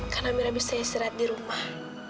karena amira bisa istirahat di rumah